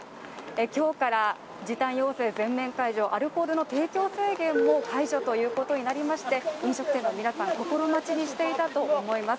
今日から時短要請全面解除、アルコールの提供制限も解除になりまして飲食店の皆さん、心待ちにしていたと思います。